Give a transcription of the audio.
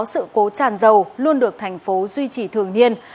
sự cố tràn dầu luôn được thành phố duy trì thường niên